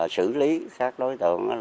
xử lý các đối tượng